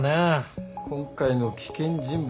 今回の危険人物